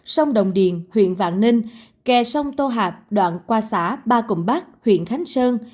sông đồng điền huyện vạn ninh kè sông tô hạc đoạn qua xã ba cùng bắc huyện khánh sơn